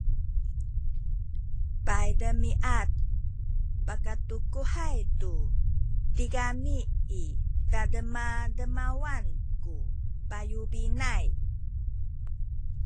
paydemiad pakatukuhay tu tigami i tademademawan ku payubinay